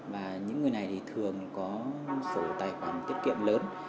và những người này thì thường có sổ tài khoản tiết kiệm lớn